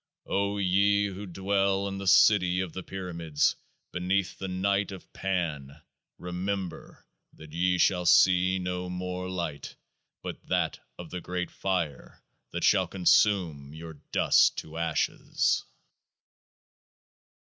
O ye who dwell in the City of the Pyramids beneath the Night of PAN, remember that ye shall see no more light but That of the great fire that shall consume your dust to ashes